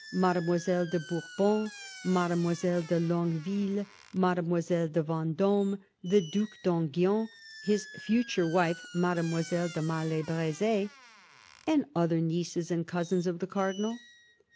Mademoiselle de Bour bon, Mademoiselle de Longueville, Mademoiselle de Ven d6me, the Due d'Enghien ; his future wife Mademoiselle de Maille Br6z6, and other nieces and cousins of the Cardinal.